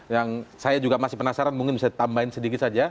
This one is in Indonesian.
yang saya juga masih penasaran mungkin bisa tambahin sedikit saja